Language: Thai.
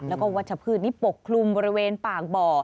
แล้วก็วัชพืชนี้ปกคลุมบริเวณปากบ่อ